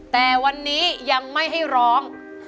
แต่วันนี้ยังไม่ให้ร้อง